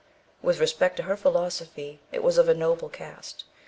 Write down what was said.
With respect to her philosophy it was of a noble cast.